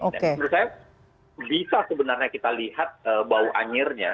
menurut saya bisa sebenarnya kita lihat bau anjirnya